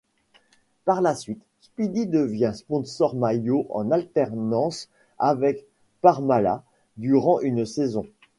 Par la suite, Speedy devient sponsor maillot en alternance avec Parmalat durant une saison.